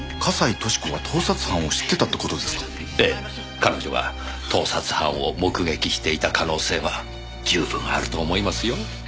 彼女は盗撮犯を目撃していた可能性は十分あると思いますよ。